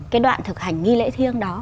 cái đoạn thực hành nghi lễ thiêng đó